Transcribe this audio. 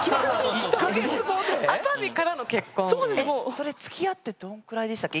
それつきあってどんくらいでしたっけ？